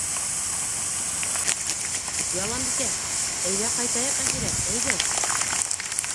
— Яланбикә, әйҙә ҡайтайыҡ, әхирәт, әйҙә.